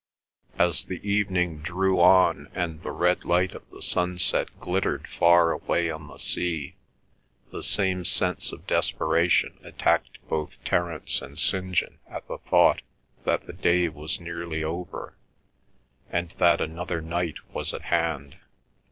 As the evening drew on and the red light of the sunset glittered far away on the sea, the same sense of desperation attacked both Terence and St. John at the thought that the day was nearly over, and that another night was at hand.